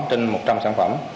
trên một trăm linh sản phẩm